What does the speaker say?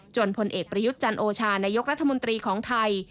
ผลเอกประยุทธ์จันโอชานายกรัฐมนตรีของไทย